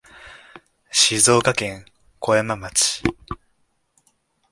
静岡県小山町